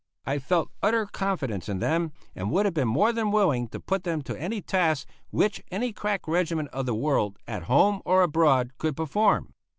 I felt utter confidence in them, and would have been more than willing to put them to any task which any crack regiment of the world, at home or abroad, could perform.